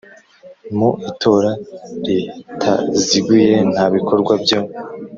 Mu itora ritaziguye nta bikorwa byo